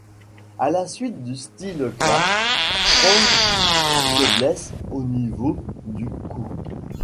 À la suite du Styles Clash, Strong se blesse au niveau du cou.